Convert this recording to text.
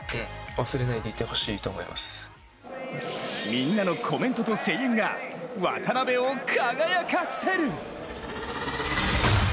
みんなのコメントと声援が渡邊を輝かせる。